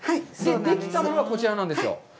できたものがこちらなんですよ。